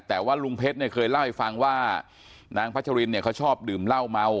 แต่ว่าลุงเพชรเนี่ยเคยเล่าให้ฟังว่านางพัชรินเนี่ยเขาชอบดื่มเหล้าเมา